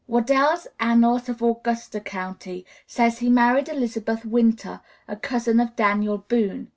Waddell's "Annals of Augusta County" says he married Elizabeth Winter, a cousin of Daniel Boone.